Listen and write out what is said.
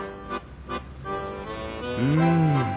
うん。